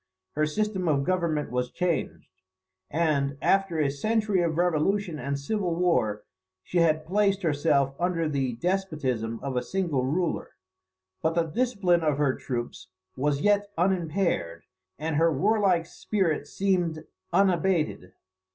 Her system of government was changed; and, after a century of revolution and civil war, she had placed herself under the despotism of a single ruler. But the discipline of her troops was yet unimpaired, and her warlike spirit seemed unabated.